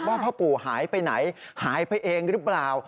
พ่อปู่หายไปไหนหายไปเองหรือเปล่า